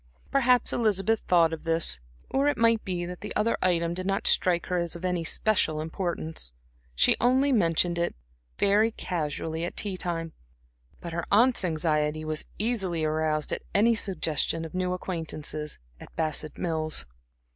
Perhaps Elizabeth thought of this; or it might be that the other item did not strike her as of any special importance. She only mentioned it very casually at tea time; but her aunts' anxiety was easily aroused at any suggestion of new acquaintances at Bassett Mills.